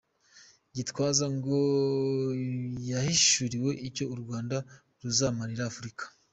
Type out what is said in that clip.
Gitwaza ngo yahishuriwe icyo u Rwanda ruzamarira Afurika.